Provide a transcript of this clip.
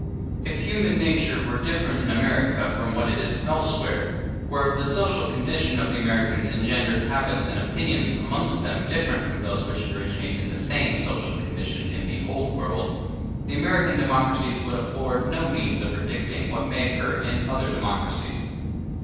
If human nature were different in America from what it is elsewhere; or if the social condition of the Americans engendered habits and opinions amongst them different from those which originate in the same social condition in the Old World, the American democracies would afford no means of predicting what may occur in other democracies.